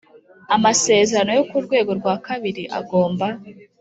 Amasezerano yo ku rwego rwa kabiri agomba